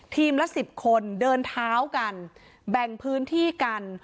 ละ๑๐คนเดินเท้ากันแบ่งพื้นที่กัน